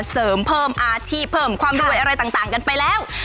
เสริมเพิ่มอาชีพเพิ่มความรวยอะไรต่างกันไปแล้ว